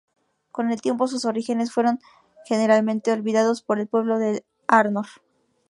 Con el tiempo, sus orígenes fueron generalmente olvidados por el pueblo de Arnor.